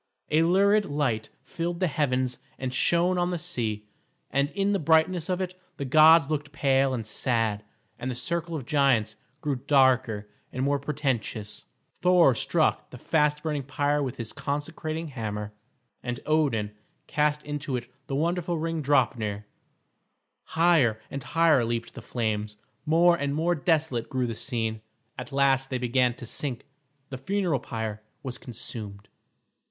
A lurid light filled the heavens and shone on the sea, and in the brightness of it the gods looked pale and sad, and the circle of giants grew darker and more portentous. Thor struck the fast burning pyre with his consecrating hammer, and Odin cast into it the wonderful ring Draupner. Higher and higher leaped the flames, more and more desolate grew the scene; at last they began to sink, the funeral pyre was consumed.